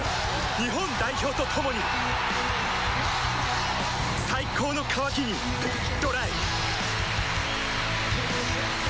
日本代表と共に最高の渇きにＤＲＹ